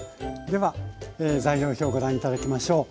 では材料表ご覧頂きましょう。